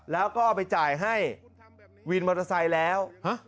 แล้วก็เอาไปจ่ายให้วินมอเตอร์ไซค์แล้ว